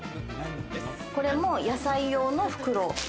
これも野菜用の袋。